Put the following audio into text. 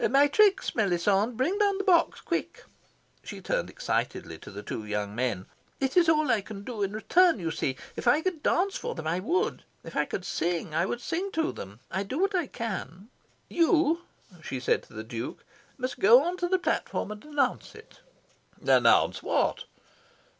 "My tricks, Melisande! Bring down the box, quick!" She turned excitedly to the two young men. "It is all I can do in return, you see. If I could dance for them, I would. If I could sing, I would sing to them. I do what I can. You," she said to the Duke, "must go on to the platform and announce it." "Announce what?"